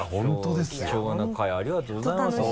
貴重な回ありがとうございます本当にね。